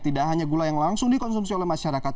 tidak hanya gula yang langsung dikonsumsi oleh masyarakat